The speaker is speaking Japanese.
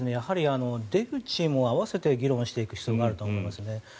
出口も合わせて議論していく必要があると思います。